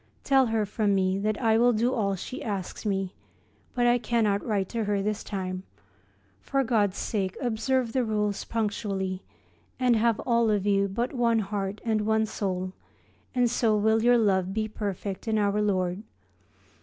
Tell her from me that I will do all she asks me, but I cannot write to her this time. For God's sake observe the rules punctually, and have all of you but one heart and one soul, and so will your love be perfect in Our Lord.